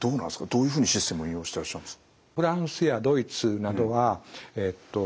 どういうふうにシステム運用してらっしゃるんですか？